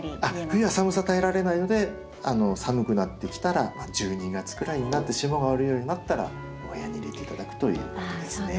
冬は寒さ耐えられないので寒くなってきたら１２月ぐらいになって霜が降りるようになったらお部屋に入れて頂くということですね。